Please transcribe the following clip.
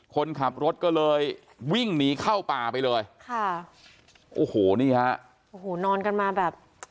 คนขับรถก็เลยวิ่งหนีเข้าป่าไปเลยค่ะโอ้โหนี่ฮะโอ้โหนอนกันมาแบบ